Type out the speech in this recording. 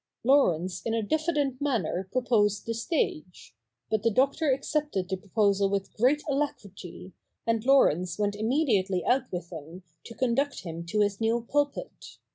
Laurence in a diffi dent manner proposed the stage ; but the Doctor accepted the proposal with great alacrity, and Laurence went im mediately out with him to conduct him to his new pulpit.